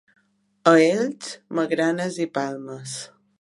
A Elx, magranes i palmes.